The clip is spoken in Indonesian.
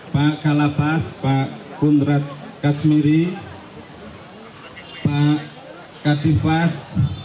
pak kalapas pak kundrat kasmiri pak katifas